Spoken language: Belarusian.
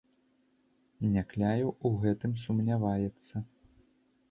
Някляеў у гэтым сумняваецца.